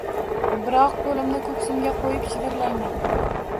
Biroq qo’limni ko’ksimga qo’yib shivirlayman